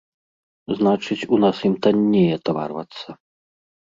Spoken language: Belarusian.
Значыць, у нас ім танней атаварвацца.